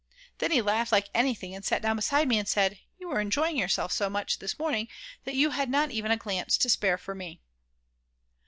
Then he laughed like anything and sat down beside me and said: "You were enjoying yourself so much this morning that you had not even a glance to spare for me."